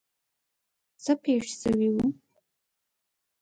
څه پېښ شوي وو.